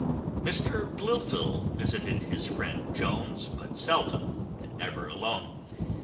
Mr Blifil visited his friend Jones but seldom, and never alone.